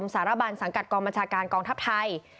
สารบันสังกัดกองบัญชาการกองทัพไทย